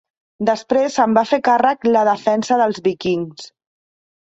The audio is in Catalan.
Després se'n va fer càrrec la defensa dels Vikings.